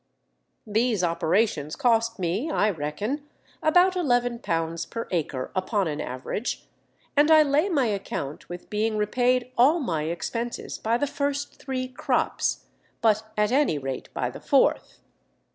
These operations cost me, I reckon, about £11 per acre upon an average; and I lay my account with being repaid all my expenses by the first three crops, but at any rate by the fourth.